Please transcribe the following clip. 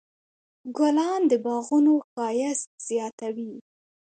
ګلان د باغونو ښایست زیاتوي.